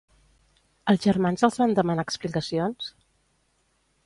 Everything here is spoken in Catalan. Els germans els van demanar explicacions?